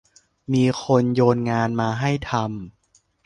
มีคนโยนงานมาให้ทำ